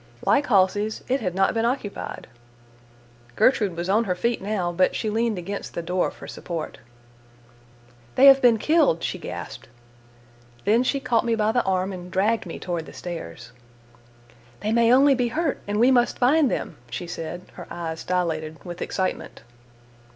Like Halsey's, it had not been occupied! Gertrude was on her feet now, but she leaned against the door for support. "They have been killed!" she gasped. Then she caught me by the arm and dragged me toward the stairs. "They may only be hurt, and we must find them," she said, her eyes dilated with excitement.